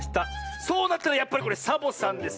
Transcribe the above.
そうなったらやっぱりこれサボさんですね。